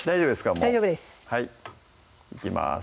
もう大丈夫ですいきます